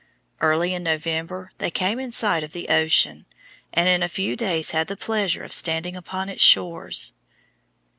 Early in November they came in sight of the ocean, and in a few days had the pleasure of standing upon its shores.